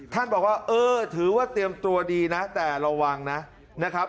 ท่านบอกว่าเออถือว่าเตรียมตัวดีนะแต่ระวังนะครับ